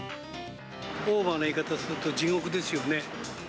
オーバーな言い方すると、地獄ですよね。